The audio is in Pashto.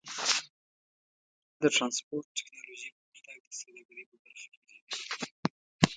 د ټرانسپورټ ټیکنالوجۍ پرمختګ د سوداګرۍ په پراختیا کې مهم دی.